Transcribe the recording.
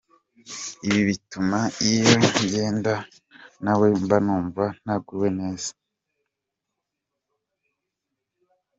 Ibi bituma iyo ngendana nawe mba numva ntaguwe neza.